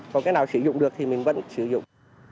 còn cái nào sử dụng được thì mình vẫn sử dụng